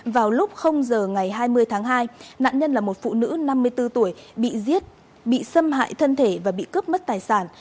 vào lúc giờ ngày hai mươi tháng hai nạn nhân là một phụ nữ năm mươi bốn tuổi bị giết bị xâm hại thân thể và bị cướp mất tài sản